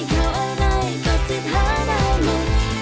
สามารถรับชมได้ทุกวัย